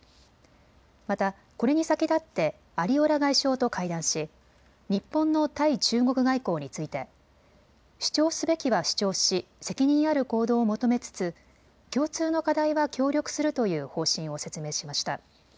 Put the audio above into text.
また、これに先立ってアリオラ外相と会談し日本の対中国外交について主張すべきは主張し責任ある行動を求めつつ共通の課題は協力するという方針を説明しました。